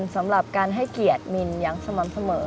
สำหรับการให้เกียรติมินอย่างสม่ำเสมอ